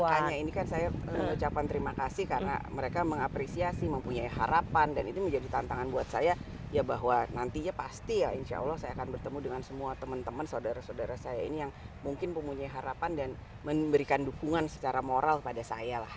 hanya ini kan saya ucapan terima kasih karena mereka mengapresiasi mempunyai harapan dan itu menjadi tantangan buat saya ya bahwa nantinya pasti ya insya allah saya akan bertemu dengan semua teman teman saudara saudara saya ini yang mungkin mempunyai harapan dan memberikan dukungan secara moral pada saya lah